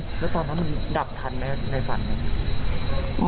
แล้วพรพระมันดับทันในฝันไหม